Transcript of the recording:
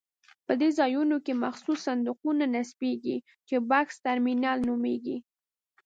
په دې ځایونو کې مخصوص صندوقونه نصبېږي چې بکس ترمینل نومېږي.